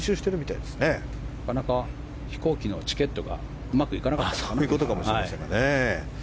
なかなか飛行機のチケットがうまくいかなかったのかもしれません。